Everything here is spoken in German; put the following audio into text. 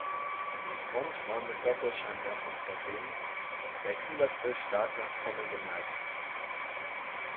Die Front war mit Doppelscheinwerfern versehen, der Kühlergrill stark nach vorne geneigt.